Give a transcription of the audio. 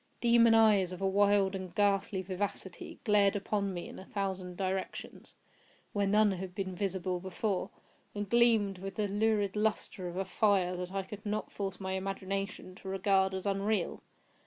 Demon eyes, of a wild and ghastly vivacity, glared upon me in a thousand directions, where none had been visible before, and gleamed with the lurid lustre of a fire that I could not force my imagination to regard as unreal.